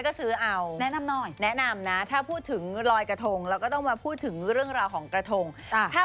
พรุ่งนี้แล้วกระทงกระทงยังไงอะนุ้ย